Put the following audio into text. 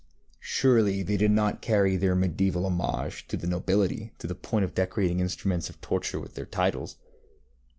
Surely they did not carry their medieval homage to the nobility to the point of decorating instruments of torture with their titles?